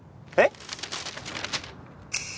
えっ！？